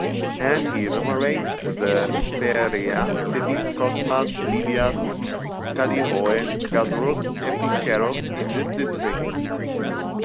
And he enumerates the "Perean" cities; Cosmas, Libias, Callirhoe, Gazorus, Epicaeros in this district.